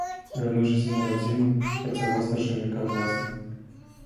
Вярнуўшыся на радзіму, працаваў старшынёй калгаса.